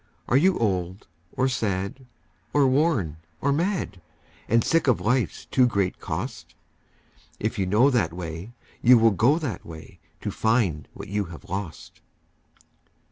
Are you old or sad or worn or mad, And sick of life's too great cost? If you know that way, you will go that way, To find what you have lost.